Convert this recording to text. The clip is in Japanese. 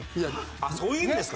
あっそういう意味ですか？